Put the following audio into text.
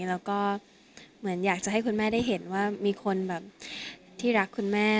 และอยากจะให้คุณแม่ได้เห็นว่ามีคนที่รักคุณแม่